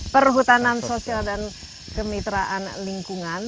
perhutanan sosial dan kemitraan lingkungan